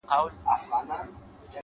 زما د زړه کوچۍ پر سپينه زنه خال وهي-